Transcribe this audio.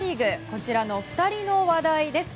こちらの２人の話題です。